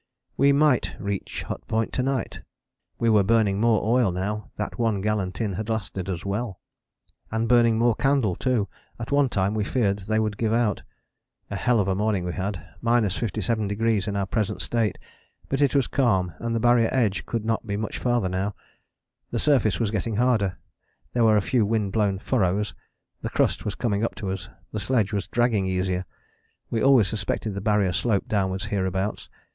We might reach Hut Point to night: we were burning more oil now, that one gallon tin had lasted us well: and burning more candle too; at one time we feared they would give out. A hell of a morning we had: 57° in our present state. But it was calm, and the Barrier edge could not be much farther now. The surface was getting harder: there were a few wind blown furrows, the crust was coming up to us. The sledge was dragging easier: we always suspected the Barrier sloped downwards hereabouts.